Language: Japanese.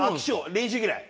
練習嫌い。